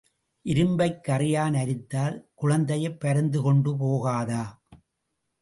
இரும்பைக் கறையான் அரித்தால் குழந்தையைப் பருந்து கொண்டு போகாதா?